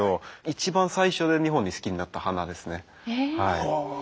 一番最初日本で好きになった花ですね。